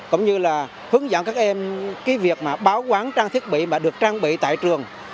cũng như là hướng dẫn các em cái việc mà báo quán trang thiết bị mà được trang bị tại trường